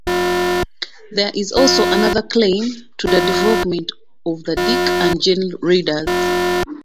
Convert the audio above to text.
There is also another claim to the development of the Dick and Jane readers.